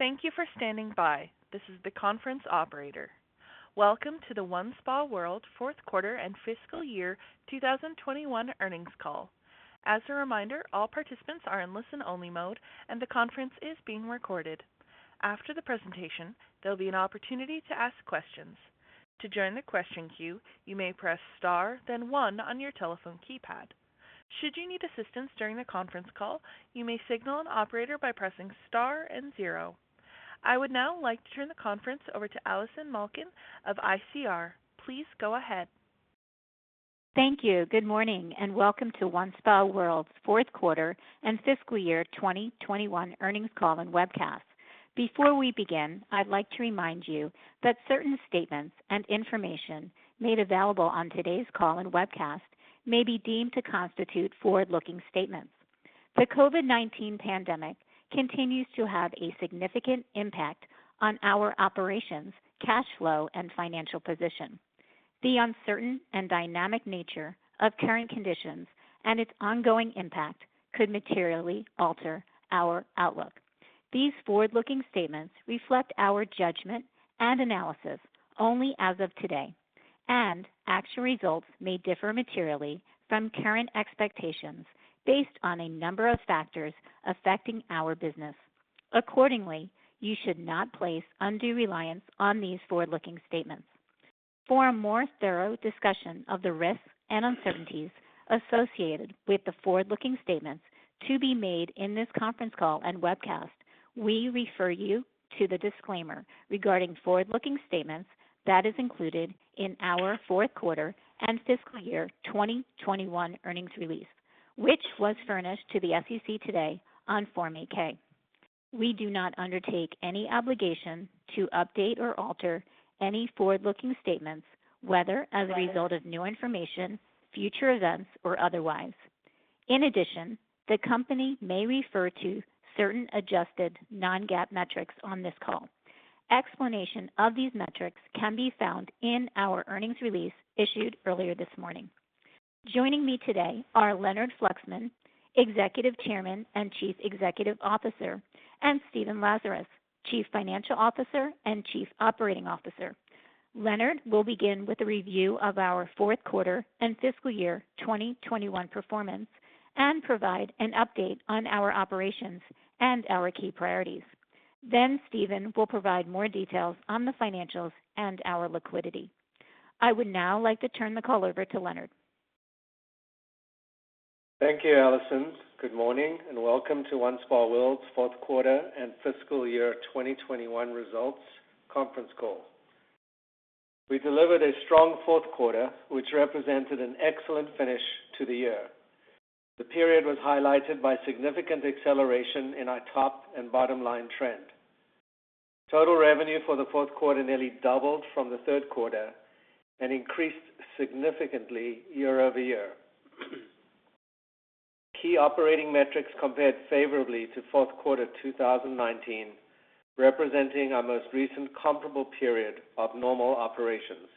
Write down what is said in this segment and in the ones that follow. Thank you for standing by. This is the conference operator. Welcome to the OneSpaWorld fourth quarter and fiscal year 2021 earnings call. As a reminder, all participants are in listen-only mode, and the conference is being recorded. After the presentation, there'll be an opportunity to ask questions. To join the question queue, you may press star, then one on your telephone keypad. Should you need assistance during the conference call, you may signal an operator by pressing star and zero. I would now like to turn the conference over to Allison Malkin of ICR. Please go ahead. Thank you. Good morning, and welcome to OneSpaWorld's fourth quarter and fiscal year 2021 earnings call and webcast. Before we begin, I'd like to remind you that certain statements and information made available on today's call and webcast may be deemed to constitute forward-looking statements. The COVID-19 pandemic continues to have a significant impact on our operations, cash flow, and financial position. The uncertain and dynamic nature of current conditions and its ongoing impact could materially alter our outlook. These forward-looking statements reflect our judgment and analysis only as of today, and actual results may differ materially from current expectations based on a number of factors affecting our business. Accordingly, you should not place undue reliance on these forward-looking statements. For a more thorough discussion of the risks and uncertainties associated with the forward-looking statements to be made in this conference call and webcast, we refer you to the disclaimer regarding forward-looking statements that is included in our fourth quarter and fiscal year 2021 earnings release, which was furnished to the SEC today on Form 8-K. We do not undertake any obligation to update or alter any forward-looking statements, whether as a result of new information, future events, or otherwise. In addition, the Company may refer to certain adjusted non-GAAP metrics on this call. Explanation of these metrics can be found in our earnings release issued earlier this morning. Joining me today are Leonard Fluxman, Executive Chairman and Chief Executive Officer, and Stephen Lazarus, Chief Financial Officer and Chief Operating Officer. Leonard will begin with a review of our fourth quarter and fiscal year 2021 performance and provide an update on our operations and our key priorities. Stephen will provide more details on the financials and our liquidity. I would now like to turn the call over to Leonard. Thank you, Allison. Good morning and welcome to OneSpaWorld's fourth quarter and fiscal year 2021 results conference call. We delivered a strong fourth quarter, which represented an excellent finish to the year. The period was highlighted by significant acceleration in our top and bottom line trend. Total revenue for the fourth quarter nearly doubled from the third quarter and increased significantly year-over-year. Key operating metrics compared favorably to fourth quarter 2019, representing our most recent comparable period of normal operations.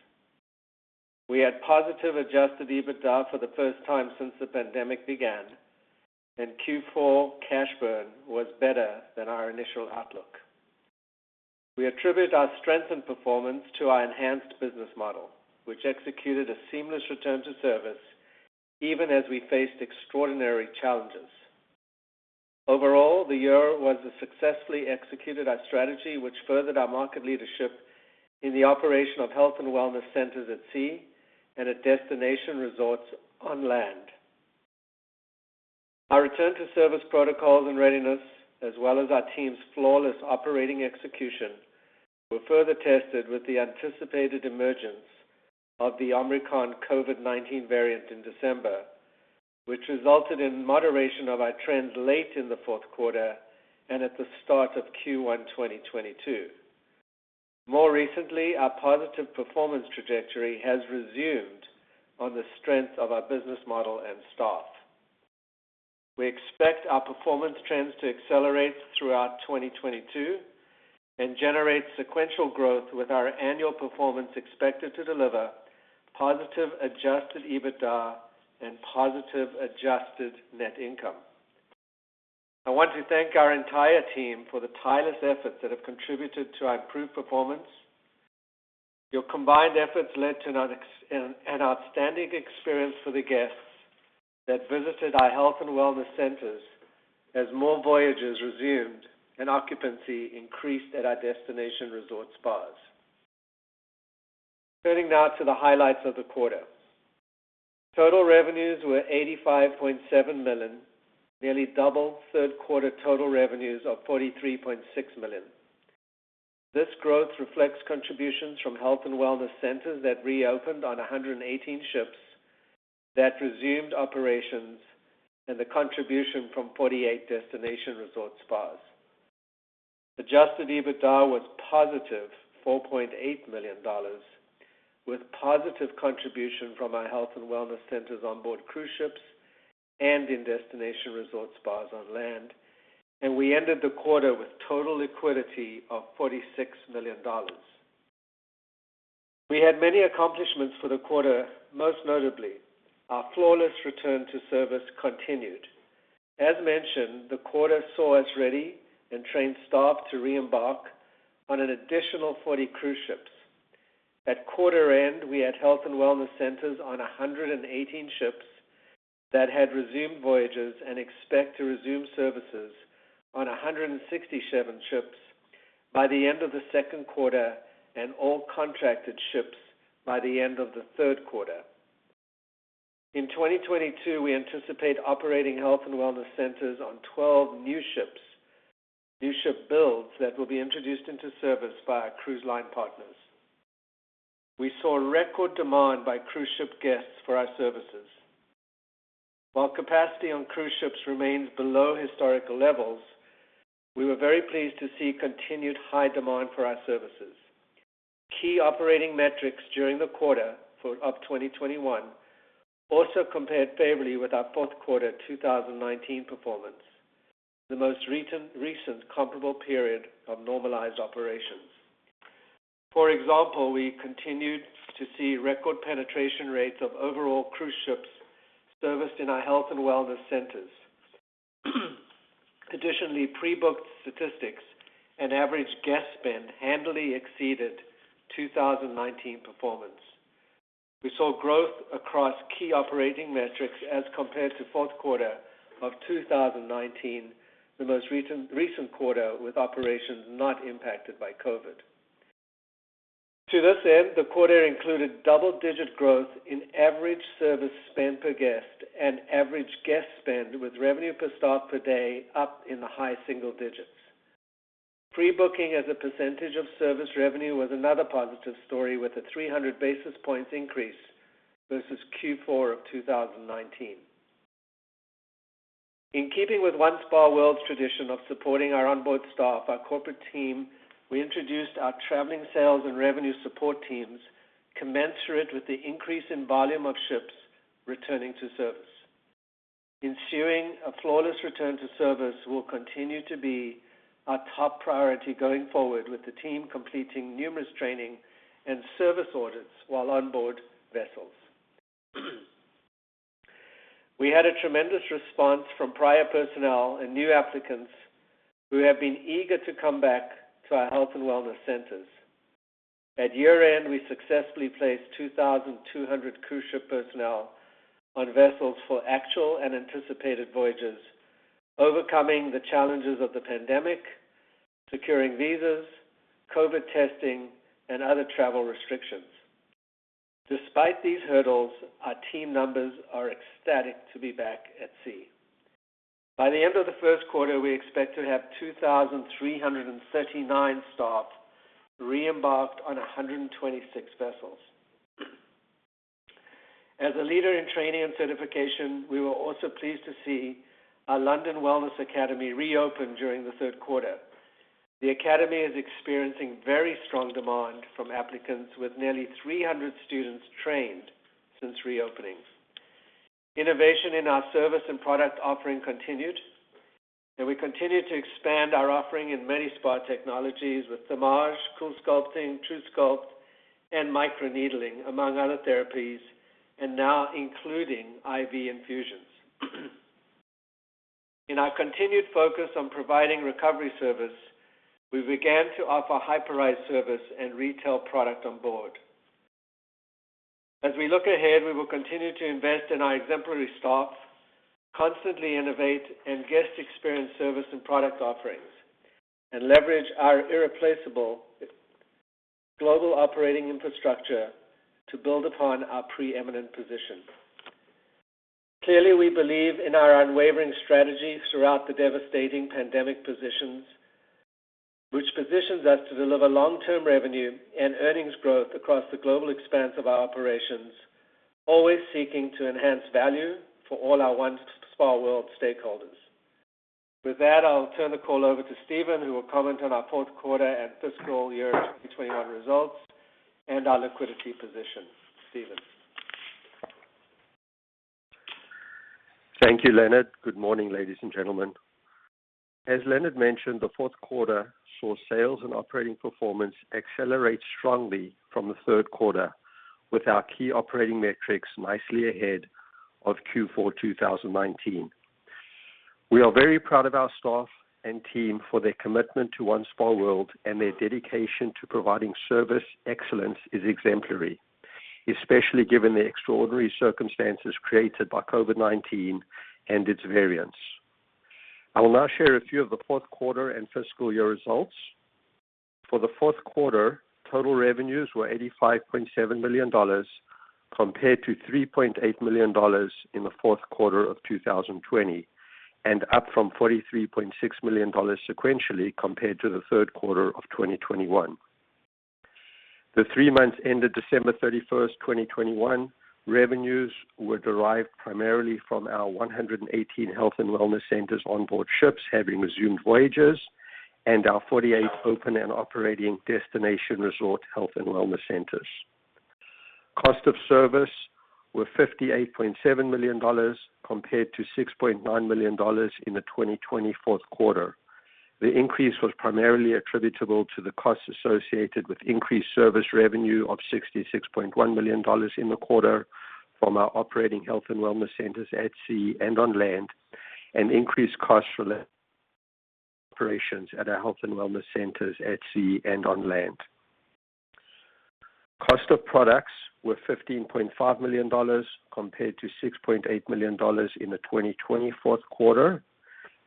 We had positive adjusted EBITDA for the first time since the pandemic began, and Q4 cash burn was better than our initial outlook. We attribute our strength and performance to our enhanced business model, which executed a seamless return to service even as we faced extraordinary challenges. Overall, the year was a successful execution of our strategy, which furthered our market leadership in the operation of health and wellness centers at sea and at destination resorts on land. Our return to service protocols and readiness, as well as our team's flawless operating execution, were further tested with the anticipated emergence of the Omicron COVID-19 variant in December, which resulted in moderation of our trends late in the fourth quarter and at the start of Q1 2022. More recently, our positive performance trajectory has resumed on the strength of our business model and staff. We expect our performance trends to accelerate throughout 2022 and generate sequential growth with our annual performance expected to deliver positive adjusted EBITDA and positive adjusted net income. I want to thank our entire team for the tireless efforts that have contributed to our improved performance. Your combined efforts led to an outstanding experience for the guests that visited our health and wellness centers as more voyages resumed and occupancy increased at our destination resort spas. Turning now to the highlights of the quarter. Total revenues were $85.7 million, nearly double third quarter total revenues of $43.6 million. This growth reflects contributions from health and wellness centers that reopened on 118 ships that resumed operations and the contribution from 48 destination resort spas. Adjusted EBITDA was positive $4.8 million, with positive contribution from our health and wellness centers on board cruise ships and in destination resort spas on land. We ended the quarter with total liquidity of $46 million. We had many accomplishments for the quarter, most notably our flawless return to service continued. As mentioned, the quarter saw us ready and trained staff to reembark on an additional 40 cruise ships. At quarter end, we had health and wellness centers on 118 ships that had resumed voyages and expect to resume services on 167 ships by the end of the second quarter and all contracted ships by the end of the third quarter. In 2022, we anticipate operating health and wellness centers on 12 new ships, new ship builds that will be introduced into service by our cruise line partners. We saw record demand by cruise ship guests for our services. While capacity on cruise ships remains below historical levels, we were very pleased to see continued high demand for our services. Key operating metrics during the quarter for Q1 2021 also compared favorably with our fourth quarter 2019 performance, the most recent comparable period of normalized operations. For example, we continued to see record penetration rates of overall cruise ships serviced in our health and wellness centers. Additionally, pre-booked statistics and average guest spend handily exceeded 2019 performance. We saw growth across key operating metrics as compared to fourth quarter of 2019, the most recent quarter with operations not impacted by COVID. To this end, the quarter included double-digit growth in average service spend per guest and average guest spend with revenue per staff per day up in the high single digits. Pre-booking as a percentage of service revenue was another positive story with a 300 basis points increase versus Q4 of 2019. In keeping with OneSpaWorld's tradition of supporting our onboard staff, our corporate team, we introduced our traveling sales and revenue support teams commensurate with the increase in volume of ships returning to service. Ensuring a flawless return to service will continue to be our top priority going forward with the team completing numerous training and service orders while onboard vessels. We had a tremendous response from prior personnel and new applicants who have been eager to come back to our health and wellness centers. At year-end, we successfully placed 2,200 cruise ship personnel on vessels for actual and anticipated voyages, overcoming the challenges of the pandemic, securing visas, COVID testing, and other travel restrictions. Despite these hurdles, our team members are ecstatic to be back at sea. By the end of the first quarter, we expect to have 2,339 staff reembarked on 126 vessels. As a leader in training and certification, we were also pleased to see our London Wellness Academy reopen during the third quarter. The academy is experiencing very strong demand from applicants, with nearly 300 students trained since reopening. Innovation in our service and product offering continued, and we continue to expand our offering in many spa technologies with Thermage, CoolSculpting, truSculpt, and microneedling, among other therapies, and now including IV infusions. In our continued focus on providing recovery service, we began to offer Hyperice service and retail product on board. As we look ahead, we will continue to invest in our exemplary staff, constantly innovate in guest experience service and product offerings, and leverage our irreplaceable global operating infrastructure to build upon our preeminent position. Clearly, we believe in our unwavering strategy throughout the devastating pandemic, which positions us to deliver long-term revenue and earnings growth across the global expanse of our operations, always seeking to enhance value for all our OneSpaWorld stakeholders. With that, I'll turn the call over to Stephen, who will comment on our fourth quarter and fiscal year 2021 results and our liquidity position. Stephen? Thank you, Leonard. Good morning, ladies and gentlemen. As Leonard mentioned, the fourth quarter saw sales and operating performance accelerate strongly from the third quarter with our key operating metrics nicely ahead of Q4 2019. We are very proud of our staff and team for their commitment to OneSpaWorld, and their dedication to providing service excellence is exemplary, especially given the extraordinary circumstances created by COVID-19 and its variants. I will now share a few of the fourth quarter and fiscal year results. For the fourth quarter, total revenues were $85.7 million compared to $3.8 million in the fourth quarter of 2020 and up from $43.6 million sequentially compared to the third quarter of 2021. the three months ended December 31st, 2021, revenues were derived primarily from our 118 health and wellness centers onboard ships having resumed voyages and our 48 open and operating destination resort health and wellness centers. Cost of services were $58.7 million compared to $6.9 million in the 2020 fourth quarter. The increase was primarily attributable to the costs associated with increased service revenue of $66.1 million in the quarter from our operating health and wellness centers at sea and on land, and increased costs related to operations at our health and wellness centers at sea and on land. Cost of products were $15.5 million compared to $6.8 million in the 2020 fourth quarter.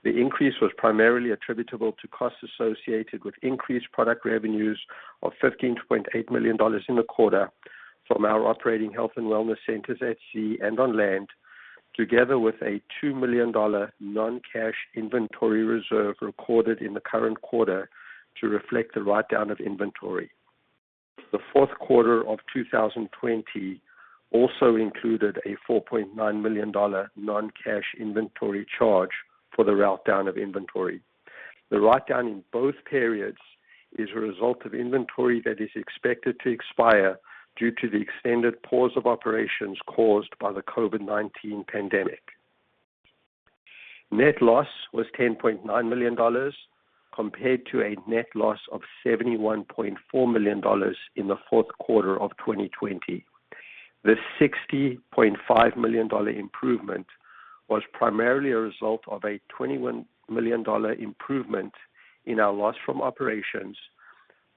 The increase was primarily attributable to costs associated with increased product revenues of $15.8 million in the quarter from our operating health and wellness centers at sea and on land, together with a $2 million non-cash inventory reserve recorded in the current quarter to reflect the write-down of inventory. The fourth quarter of 2020 also included a $4.9 million non-cash inventory charge for the write-down of inventory. The write-down in both periods is a result of inventory that is expected to expire due to the extended pause of operations caused by the COVID-19 pandemic. Net loss was $10.9 million compared to a net loss of $71.4 million in the fourth quarter of 2020. The $60.5 million improvement was primarily a result of a $21 million improvement in our loss from operations,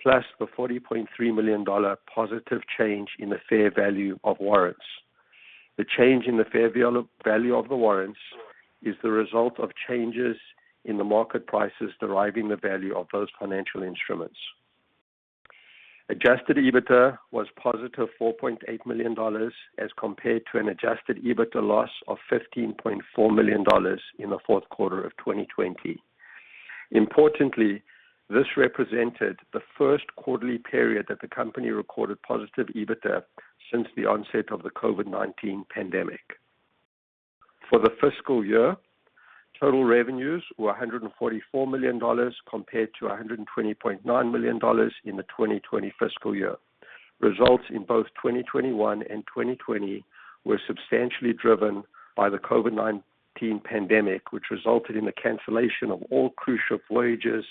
plus the $40.3 million positive change in the fair value of warrants. The change in the fair value of the warrants is the result of changes in the market prices driving the value of those financial instruments. Adjusted EBITDA was +$4.8 million as compared to an adjusted EBITDA loss of $15.4 million in the fourth quarter of 2020. Importantly, this represented the first quarterly period that the company recorded positive EBITDA since the onset of the COVID-19 pandemic. For the fiscal year, total revenues were $144 million compared to $120.9 million in the 2020 fiscal year. Results in both 2021 and 2020 were substantially driven by the COVID-19 pandemic, which resulted in the cancellation of all cruise ship voyages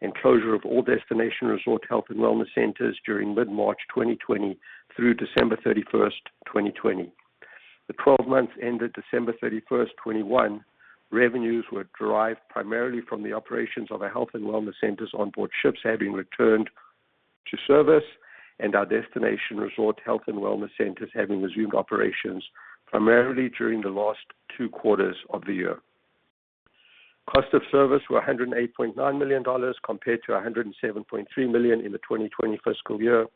and closure of all destination resort health and wellness centers during mid-March 2020 through December 31st, 2020. For the twelve months ended December 31st, 2021, revenues were derived primarily from the operations of our health and wellness centers on board ships having returned to service, and our destination resort health and wellness centers having resumed operations primarily during the last two quarters of the year. Cost of service were $108.9 million compared to $107.3 million in the 2020 fiscal year.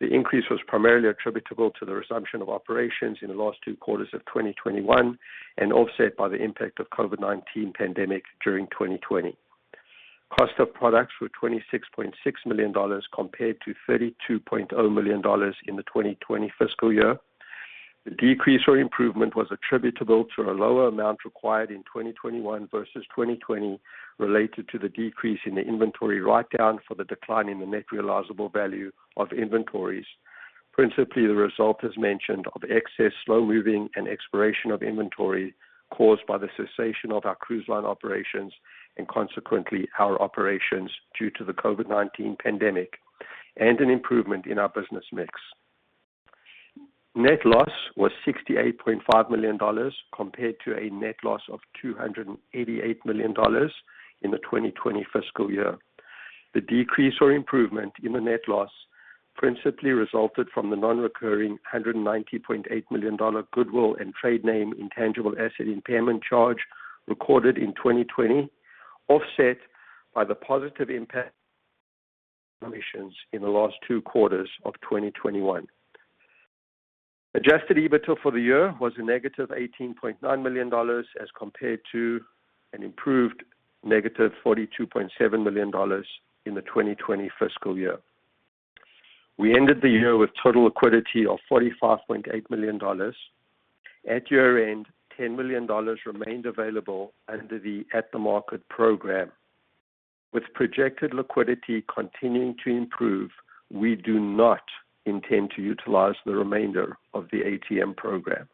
The increase was primarily attributable to the resumption of operations in the last two quarters of 2021 and offset by the impact of COVID-19 pandemic during 2020. Cost of products were $26.6 million compared to $32.0 million in the 2020 fiscal year. The decrease or improvement was attributable to a lower amount required in 2021 versus 2020 related to the decrease in the inventory write-down for the decline in the net realizable value of inventories. Principally, the result is mainly due to excess slow-moving and expiration of inventory caused by the cessation of our cruise line operations and consequently our operations due to the COVID-19 pandemic and an improvement in our business mix. Net loss was $68.5 million compared to a net loss of $288 million in the 2020 fiscal year. The decrease or improvement in the net loss principally resulted from the non-recurring $190.8 million goodwill and trade name intangible asset impairment charge recorded in 2020, offset by the positive impact from operations in the last two quarters of 2021. Adjusted EBITDA for the year was a -$18.9 million as compared to an improved -$42.7 million in the 2020 fiscal year. We ended the year with total liquidity of $45.8 million. At year-end, $10 million remained available under the at-the-market program. With projected liquidity continuing to improve, we do not intend to utilize the remainder of the ATM program.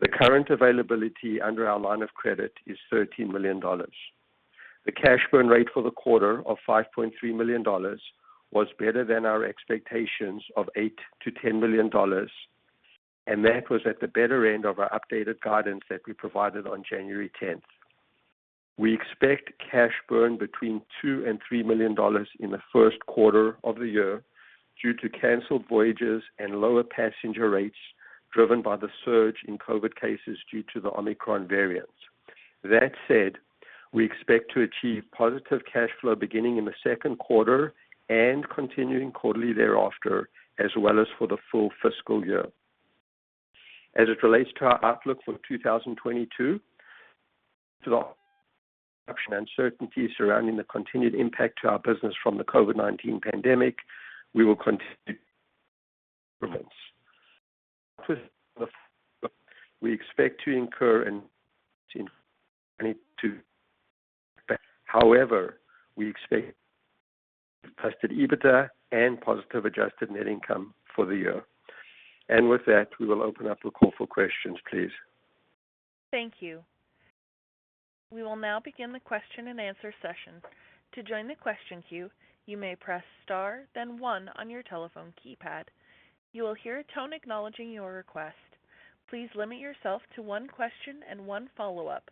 The current availability under our line of credit is $13 million. The cash burn rate for the quarter of $5.3 million was better than our expectations of $8 million-$10 million, and that was at the better end of our updated guidance that we provided on January 10th. We expect cash burn between $2 million-$3 million in the first quarter of the year due to canceled voyages and lower passenger rates driven by the surge in COVID cases due to the Omicron variant. That said, we expect to achieve positive cash flow beginning in the second quarter and continuing quarterly thereafter as well as for the full fiscal year. As it relates to our outlook for 2022, uncertainty surrounding the continued impact to our business from the COVID-19 pandemic. We will continue. We expect to incur in 2022. However, we expect positive EBITDA and positive adjusted net income for the year. With that, we will open up the call for questions, please. Thank you. We will now begin the question and answer session. To join the question queue, you may press star, then one on your telephone keypad. You will hear a tone acknowledging your request. Please limit yourself to one question and one follow-up.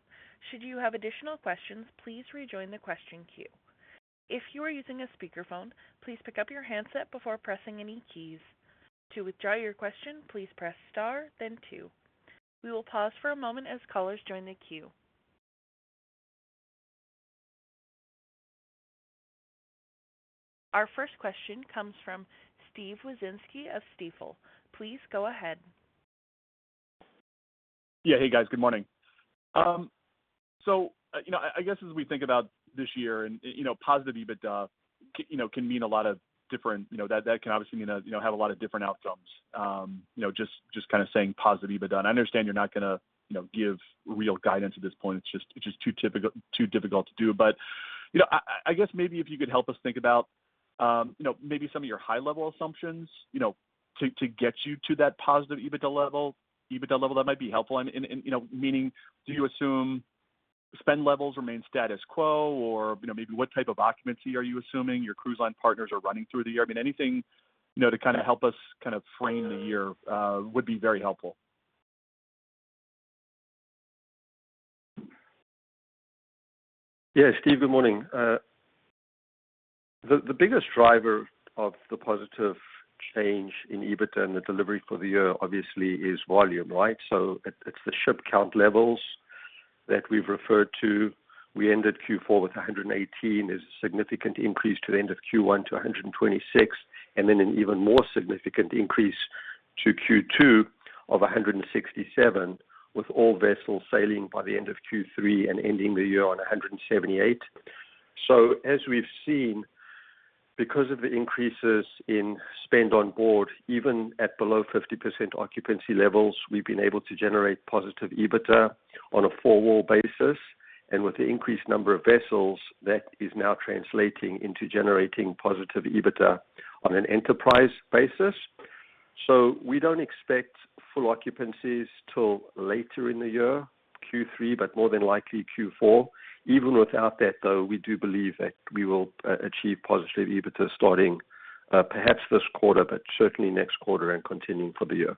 Should you have additional questions, please rejoin the question queue. If you are using a speakerphone, please pick up your handset before pressing any keys. To withdraw your question, please press star then two. We will pause for a moment as callers join the queue. Our first question comes from Steve Wieczynski of Stifel. Please go ahead. Yeah. Hey, guys. Good morning. You know, I guess as we think about this year and you know, positive EBITDA can mean a lot of different, you know, that can obviously mean you know have a lot of different outcomes, you know, just kinda saying positive EBITDA. I understand you're not gonna you know give real guidance at this point. It's just too difficult to do. You know, I guess maybe if you could help us think about you know maybe some of your high level assumptions, you know, to get you to that positive EBITDA level that might be helpful. you know, meaning do you assume spend levels remain status quo or, you know, maybe what type of occupancy are you assuming your cruise line partners are running through the year? I mean, anything, you know, to kinda help us kind of frame the year, would be very helpful. Yeah. Steve, good morning. The biggest driver of the positive change in EBITDA and the delivery for the year obviously is volume, right? So it's the ship count levels that we've referred to. We ended Q4 with 118. There's a significant increase to the end of Q1 to 126, and then an even more significant increase to Q2 of 167, with all vessels sailing by the end of Q3 and ending the year on 178. So as we've seen, because of the increases in spend on board, even at below 50% occupancy levels, we've been able to generate positive EBITDA on a four-wall basis. With the increased number of vessels, that is now translating into generating positive EBITDA on an enterprise basis. We don't expect full occupancies till later in the year, Q3, but more than likely Q4. Even without that, though, we do believe that we will achieve positive EBITDA starting, perhaps this quarter, but certainly next quarter and continuing for the year.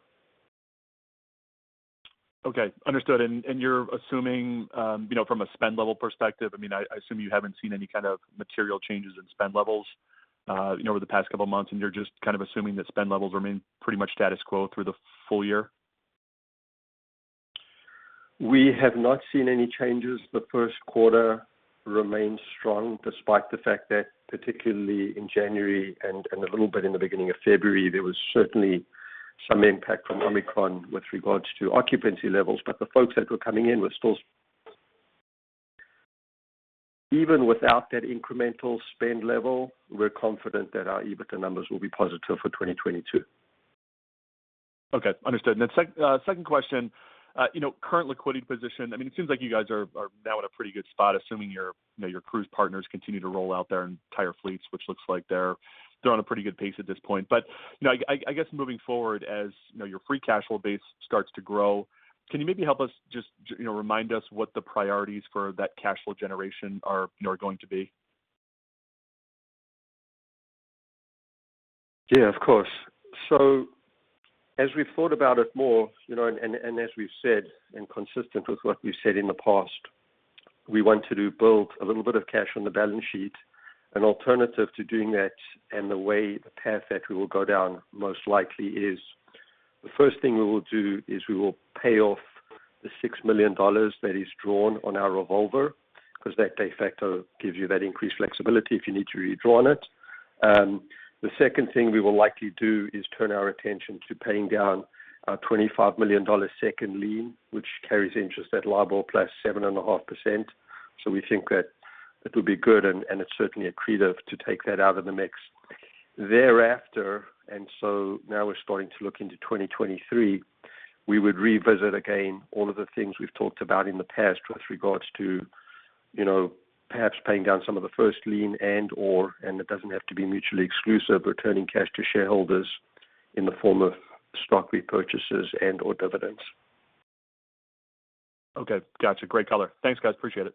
Okay. Understood. You're assuming, you know, from a spend level perspective, I mean, I assume you haven't seen any kind of material changes in spend levels, you know, over the past couple of months, and you're just kind of assuming that spend levels remain pretty much status quo through the full year. We have not seen any changes. The first quarter remains strong despite the fact that particularly in January and a little bit in the beginning of February, there was certainly some impact from Omicron with regards to occupancy levels. The folks that were coming in were still even without that incremental spend level, we're confident that our EBITDA numbers will be positive for 2022. Okay. Understood. Second question. You know, current liquidity position, I mean, it seems like you guys are now in a pretty good spot, assuming your cruise partners continue to roll out their entire fleets, which looks like they're on a pretty good pace at this point. You know, I guess moving forward as your free cash flow base starts to grow, can you maybe help us just remind us what the priorities for that cash flow generation are going to be? Yeah, of course. As we've thought about it more, you know, and as we've said, and consistent with what we've said in the past, we want to do both a little bit of cash on the balance sheet. An alternative to doing that and the way, the path that we will go down most likely is the first thing we will do is we will pay off the $6 million that is drawn on our revolver because that de facto gives you that increased flexibility if you need to redraw on it. The second thing we will likely do is turn our attention to paying down our $25 million second lien, which carries interest at LIBOR +7.5%. We think that it'll be good, and it's certainly accretive to take that out of the mix. Thereafter, now we're starting to look into 2023, we would revisit again all of the things we've talked about in the past with regards to, you know, perhaps paying down some of the first lien and/or, and it doesn't have to be mutually exclusive, returning cash to shareholders in the form of stock repurchases and/or dividends. Okay. Got you. Great color. Thanks, guys. Appreciate it.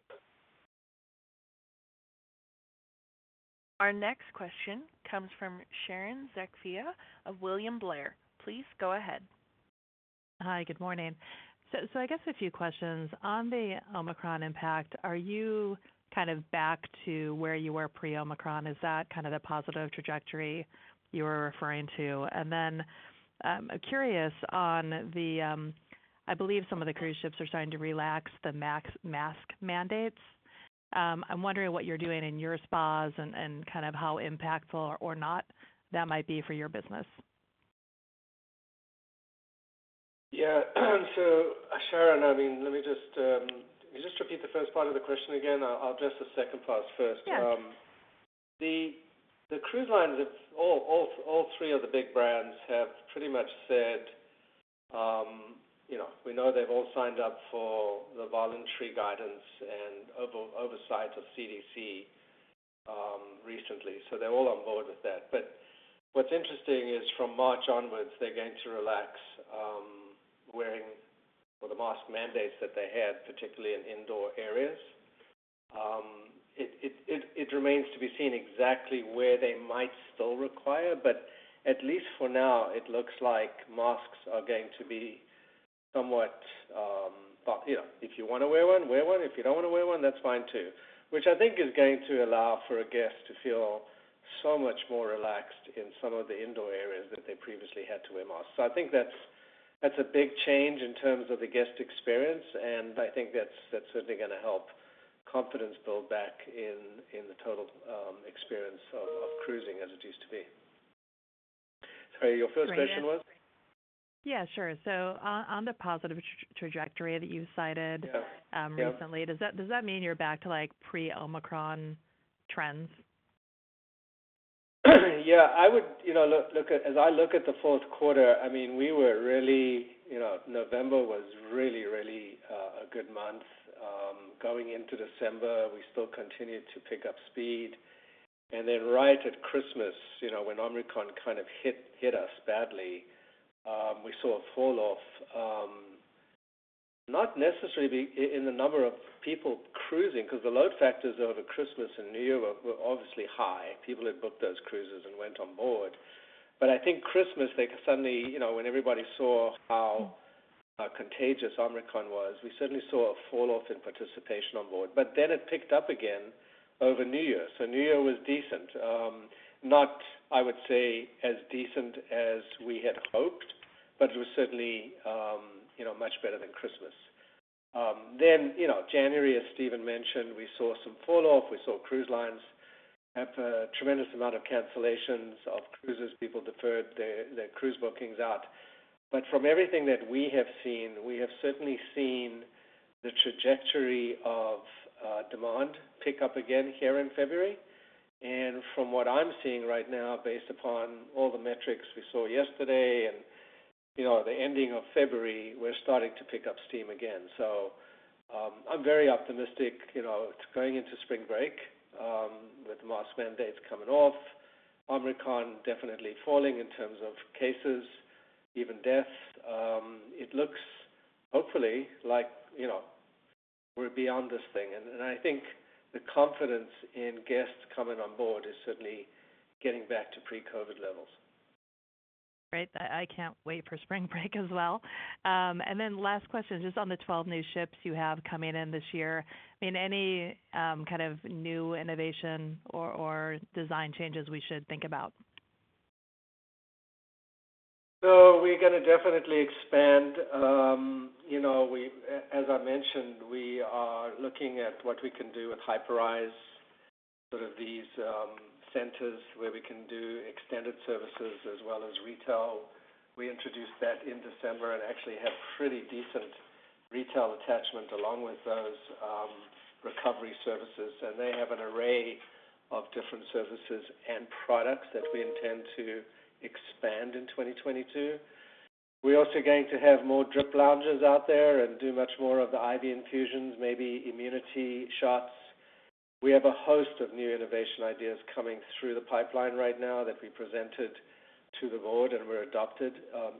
Our next question comes from Sharon Zackfia of William Blair. Please go ahead. Hi. Good morning. I guess a few questions. On the Omicron impact, are you kind of back to where you were pre-Omicron? Is that kind of the positive trajectory you were referring to? Curious on the, I believe some of the cruise ships are starting to relax the mask mandates. I'm wondering what you're doing in your spas and kind of how impactful or not that might be for your business. Yeah. Sharon, I mean, let me just. Can you just repeat the first part of the question again? I'll address the second part first. Yeah. The cruise lines have all three of the big brands have pretty much said, you know, we know they've all signed up for the voluntary guidance and oversight of CDC recently. They're all on board with that. What's interesting is from March onwards, they're going to relax wearing or the mask mandates that they had, particularly in indoor areas. It remains to be seen exactly where they might still require, but at least for now, it looks like masks are going to be somewhat, but, you know, if you wanna wear one, wear one. If you don't wanna wear one, that's fine, too, which I think is going to allow for a guest to feel so much more relaxed in some of the indoor areas that they previously had to wear masks. I think that's a big change in terms of the guest experience, and I think that's certainly gonna help confidence build back in the total experience of cruising as it used to be. Sorry, your first question was? Yeah, sure. On the positive trajectory that you cited. Yeah. recently. Yeah. Does that mean you're back to, like, pre-Omicron trends? Yeah. As I look at the fourth quarter, I mean, we were really you know, November was really a good month. Going into December, we still continued to pick up speed. Then right at Christmas, you know, when Omicron kind of hit us badly, we saw a falloff, not necessarily in the number of people cruising, because the load factors over Christmas and New Year were obviously high. People had booked those cruises and went on board. I think Christmas, they suddenly you know, when everybody saw how contagious Omicron was, we certainly saw a falloff in participation on board. Then it picked up again over New Year's. New Year was decent. Not, I would say, as decent as we had hoped, but it was certainly, you know, much better than Christmas. January, as Stephen mentioned, we saw some falloff. We saw cruise lines have a tremendous amount of cancellations of cruises. People deferred their cruise bookings out. From everything that we have seen, we have certainly seen the trajectory of demand pick up again here in February. From what I'm seeing right now, based upon all the metrics we saw yesterday and, you know, the ending of February, we're starting to pick up steam again. I'm very optimistic. You know, going into spring break, with mask mandates coming off, Omicron definitely falling in terms of cases, even deaths, it looks hopefully like, you know, we're beyond this thing. I think the confidence in guests coming on board is certainly getting back to pre-COVID levels. Great. I can't wait for spring break as well. Last question, just on the 12 new ships you have coming in this year, I mean, any kind of new innovation or design changes we should think about? We're gonna definitely expand. As I mentioned, we are looking at what we can do with Hyperice, sort of these centers where we can do extended services as well as retail. We introduced that in December and actually had pretty decent retail attachment along with those recovery services. They have an array of different services and products that we intend to expand in 2022. We're also going to have more drip lounges out there and do much more of the IV infusions, maybe immunity shots. We have a host of new innovation ideas coming through the pipeline right now that we presented to the board and were adopted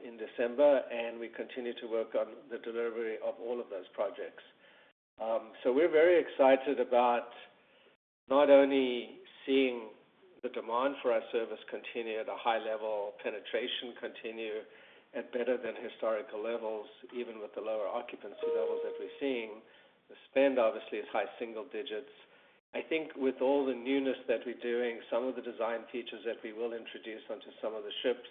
in December, and we continue to work on the delivery of all of those projects. We're very excited about not only seeing the demand for our service continue at a high level, penetration continue at better than historical levels, even with the lower occupancy levels that we're seeing. The spend obviously is high single digits%. I think with all the newness that we're doing, some of the design features that we will introduce onto some of the ships,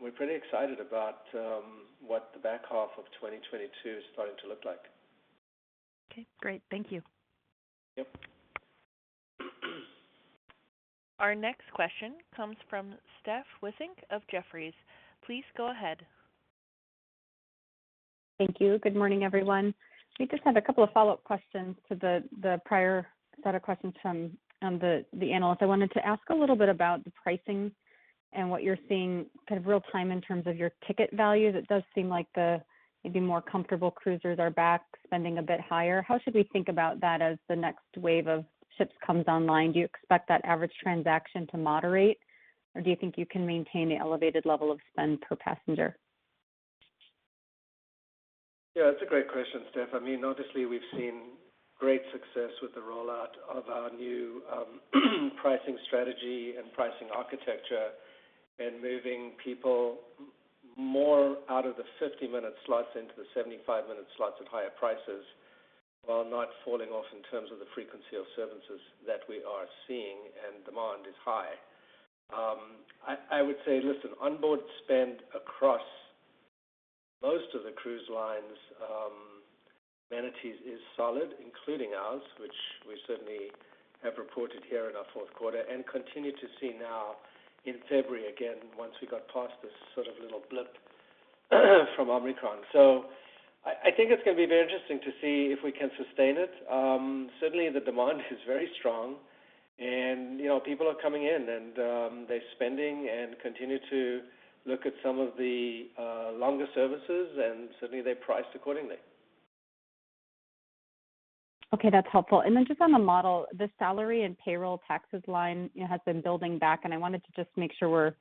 we're pretty excited about what the back half of 2022 is starting to look like. Okay, great. Thank you. Yep. Our next question comes from Steph Wissink of Jefferies. Please go ahead. Thank you. Good morning, everyone. We just have a couple of follow-up questions to the prior set of questions from the analyst. I wanted to ask a little bit about the pricing and what you're seeing kind of real time in terms of your ticket values. It does seem like the maybe more comfortable cruisers are back spending a bit higher. How should we think about that as the next wave of ships comes online? Do you expect that average transaction to moderate, or do you think you can maintain the elevated level of spend per passenger? Yeah, that's a great question, Steph. I mean, obviously, we've seen great success with the rollout of our new pricing strategy and pricing architecture, and moving people more out of the 50-minute slots into the 75-minute slots at higher prices while not falling off in terms of the frequency of services that we are seeing, and demand is high. I would say, listen, onboard spend across most of the cruise lines amenities is solid, including ours, which we certainly have reported here in our fourth quarter and continue to see now in February again once we got past this sort of little blip from Omicron. So I think it's gonna be very interesting to see if we can sustain it. Certainly the demand is very strong and, you know, people are coming in and they're spending and continue to look at some of the longer services, and certainly they're priced accordingly. Okay. That's helpful. Just on the model, the salary and payroll taxes line, you know, has been building back, and I wanted to just make sure we're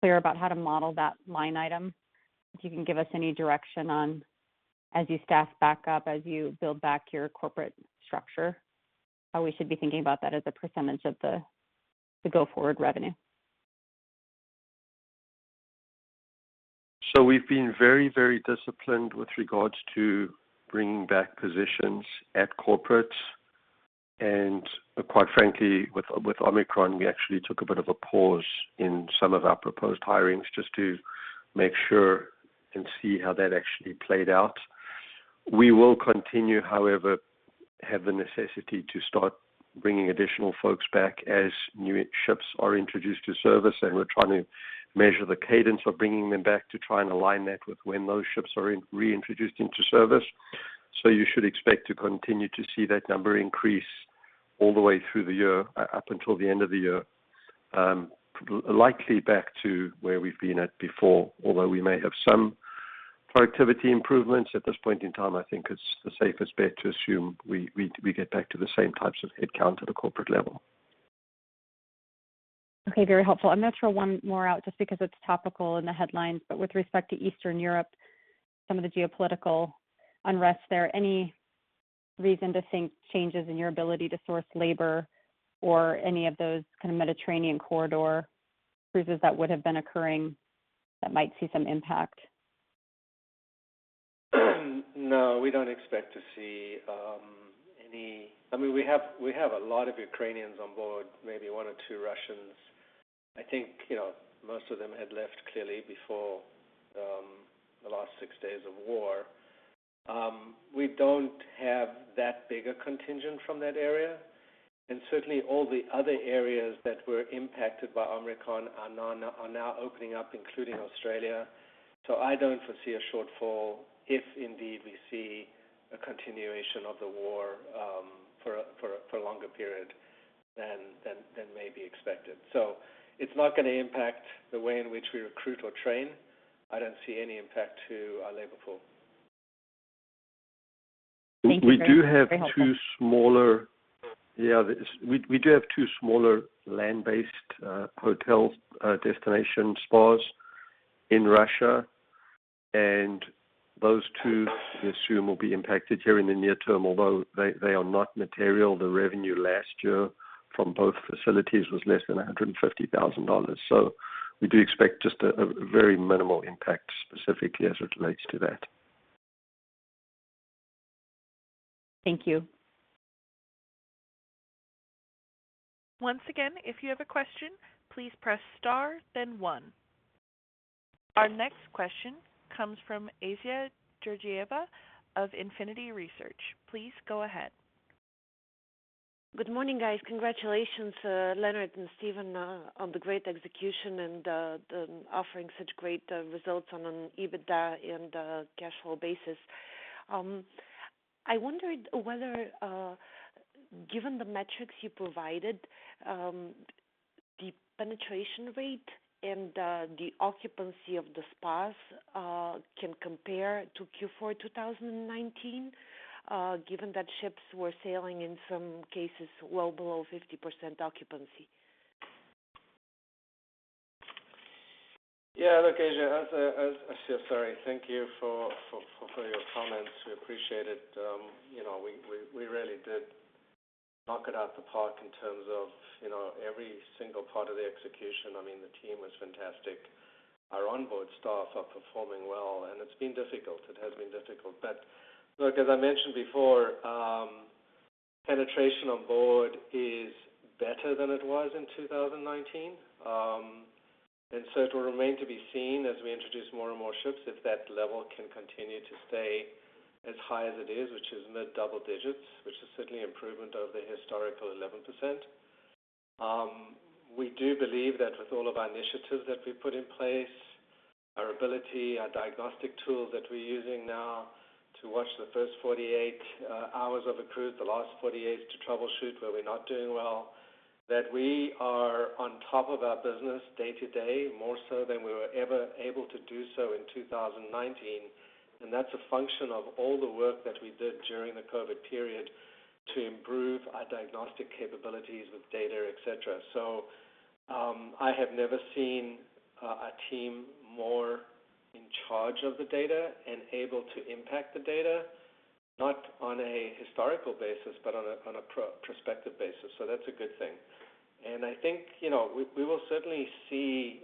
clear about how to model that line item. If you can give us any direction on as you staff back up, as you build back your corporate structure, how we should be thinking about that as a percentage of the go-forward revenue? We've been very, very disciplined with regards to bringing back positions at corporate. Quite frankly, with Omicron, we actually took a bit of a pause in some of our proposed hiring's just to make sure and see how that actually played out. We will continue, however, have the necessity to start bringing additional folks back as new ships are introduced to service, and we're trying to measure the cadence of bringing them back to try and align that with when those ships are re-introduced into service. You should expect to continue to see that number increase all the way through the year, up until the end of the year, likely back to where we've been at before. Although we may have some productivity improvements at this point in time, I think it's the safest bet to assume we get back to the same types of headcount at a corporate level. Okay. Very helpful. I'm gonna throw one more out just because it's topical in the headlines. With respect to Eastern Europe, some of the geopolitical unrest there, any reason to think changes in your ability to source labor or any of those kind of Mediterranean corridor cruises that would have been occurring that might see some impact? No, we don't expect to see any. I mean, we have a lot of Ukrainians on board, maybe one or two Russians. I think, you know, most of them had left clearly before the last six days of war. We don't have that big a contingent from that area. Certainly all the other areas that were impacted by Omicron are now opening up, including Australia. I don't foresee a shortfall if indeed we see a continuation of the war for a longer period than may be expected. It's not gonna impact the way in which we recruit or train. I don't see any impact to our labor pool. Thank you. Very, very helpful. We do have two smaller land-based hotel destination spas in Russia, and those two we assume will be impacted here in the near term, although they are not material. The revenue last year from both facilities was less than $150,000. We do expect just a very minimal impact specifically as it relates to that. Thank you. Once again, if you have a question, please press star then one. Our next question comes from Assia Georgieva of Infinity Research. Please go ahead. Good morning, guys. Congratulations, Leonard and Stephen, on the great execution and offering such great results on an EBITDA and cash flow basis. I wondered whether, given the metrics you provided, the penetration rate and the occupancy of the spas can compare to Q4 2019, given that ships were sailing in some cases well below 50% occupancy. Yeah, look, Assia. Sorry. Thank you for your comments. We appreciate it. You know, we really did knock it out of the park in terms of, you know, every single part of the execution. I mean, the team was fantastic. Our onboard staff are performing well, and it's been difficult. It has been difficult. Look, as I mentioned before, penetration on board is better than it was in 2019. It will remain to be seen as we introduce more and more ships, if that level can continue to stay as high as it is, which is mid double digits, which is certainly improvement over the historical 11%. We do believe that with all of our initiatives that we've put in place, our ability, our diagnostic tools that we're using now to watch the first 48 hours of a cruise, the last 48 to troubleshoot where we're not doing well, that we are on top of our business day to day, more so than we were ever able to do so in 2019. That's a function of all the work that we did during the COVID period to improve our diagnostic capabilities with data, et cetera. I have never seen a team more in charge of the data and able to impact the data, not on a historical basis, but on a prospective basis. That's a good thing. I think, you know, we will certainly see,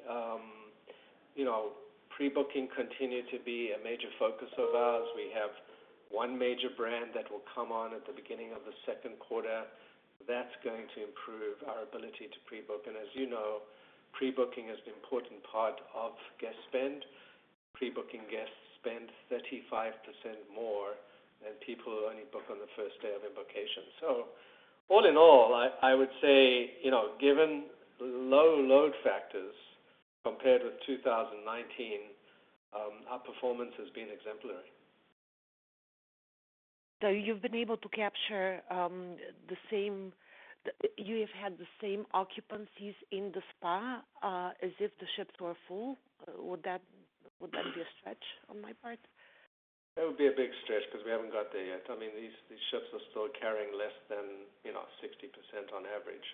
you know, pre-booking continue to be a major focus of ours. We have one major brand that will come on at the beginning of the second quarter. That's going to improve our ability to pre-book. As you know, pre-booking is an important part of guest spend. Pre-booking guests spend 35% more than people who only book on the first day of a vacation. All in all, I would say, you know, given low load factors compared with 2019, our performance has been exemplary. You've been able to capture the same occupancies in the spa as if the ships were full. Would that be a stretch on my part? That would be a big stretch because we haven't got there yet. I mean, these ships are still carrying less than, you know, 60% on average.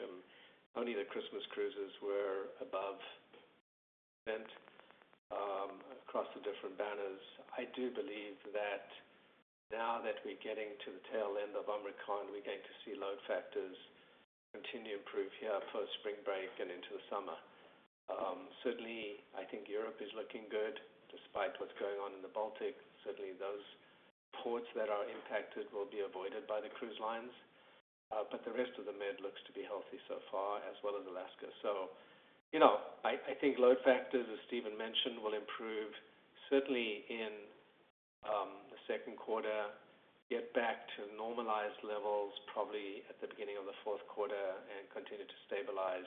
Only the Christmas cruises were above 70% across the different banners. I do believe that now that we're getting to the tail end of Omicron, we're going to see load factors continue to improve here post-spring break and into the summer. Certainly, I think Europe is looking good despite what's going on in the Baltic. Certainly, those ports that are impacted will be avoided by the cruise lines. But the rest of the Med looks to be healthy so far as well as Alaska. You know, I think load factors, as Stephen mentioned, will improve certainly in the second quarter, get back to normalized levels probably at the beginning of the fourth quarter and continue to stabilize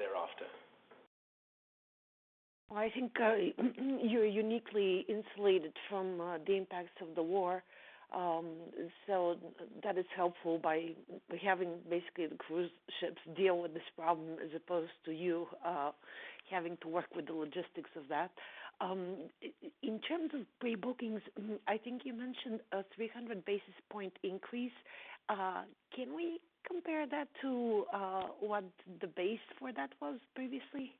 thereafter. I think you're uniquely insulated from the impacts of the war. That is helpful by having basically the cruise ships deal with this problem as opposed to you having to work with the logistics of that. In terms of pre-bookings, I think you mentioned a 300 basis point increase. Can we compare that to what the base for that was previously?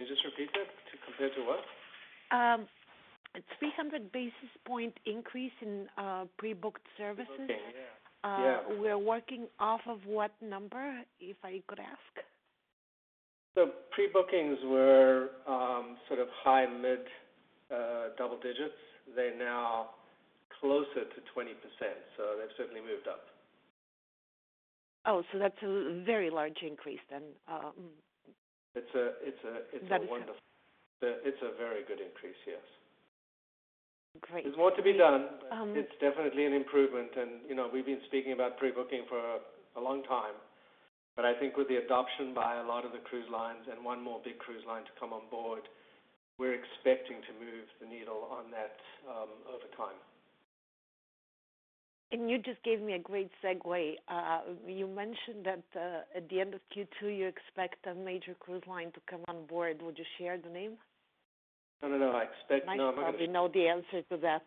Can you just repeat that? Compared to what? A 300 basis points increase in pre-booked services. Pre-booking. Yeah. Uh. Yeah. We're working off of what number, if I could ask? The pre-bookings were sort of high mid double digits. They're now closer to 20%, so they've certainly moved up. Oh, that's a very large increase then. It's a wonderful. That makes sense. It's a very good increase, yes. Great. There's more to be done, but it's definitely an improvement. You know, we've been speaking about pre-booking for a long time. I think with the adoption by a lot of the cruise lines and one more big cruise line to come on board, we're expecting to move the needle on that, over time. You just gave me a great segue. You mentioned that, at the end of Q2, you expect a major cruise line to come on board. Would you share the name? No, no. No, I'm gonna I probably know the answer to that.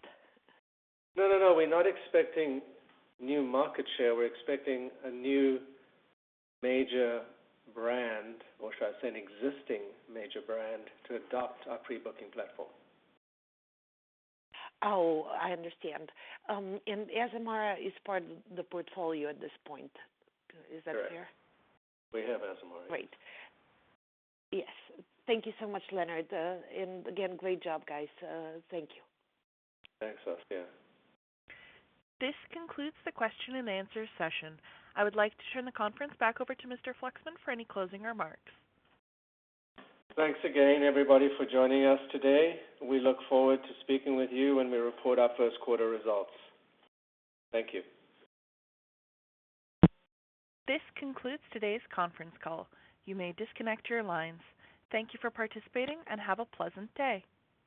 No, no. We're not expecting new market share. We're expecting a new major brand, or should I say an existing major brand, to adopt our pre-booking platform. Oh, I understand. Azamara is part of the portfolio at this point. Is that fair? Correct. We have Azamara, yes. Great. Yes. Thank you so much, Leonard. Again, great job, guys. Thank you. Thanks, Assia. This concludes the question and answer session. I would like to turn the conference back over to Mr. Fluxman for any closing remarks. Thanks again, everybody, for joining us today. We look forward to speaking with you when we report our first quarter results. Thank you. This concludes today's conference call. You may disconnect your lines. Thank you for participating, and have a pleasant day.